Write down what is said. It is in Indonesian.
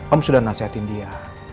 om sudah nasihatin dia